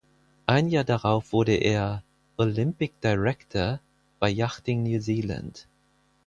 Ein Jahr darauf wurde er "Olympic Director" bei Yachting New Zealand.